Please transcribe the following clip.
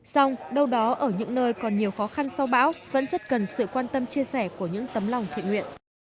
xong đâu đó ở những nơi còn nhiều khó khăn sau bão vẫn rất cần sự quan tâm chia sẻ của những tấm lòng thiện nguyện